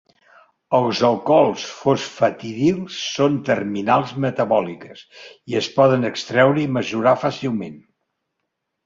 Els alcohols fosfatidils són terminals metabòliques, i es poden extreure i mesurar fàcilment.